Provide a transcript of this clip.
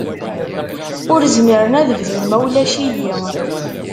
Ur zmiren ad bdun ma ulac-iyi.